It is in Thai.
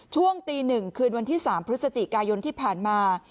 ช่วงตี๑คืนวันที่๓พฤศจิกายนที่ผ่านมา